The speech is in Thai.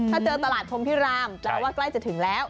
ถ้าเจอตลาดพรมพิรามแปลว่าใกล้จะถึงแล้ว